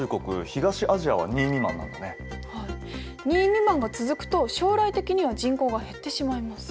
２未満が続くと将来的には人口が減ってしまいます。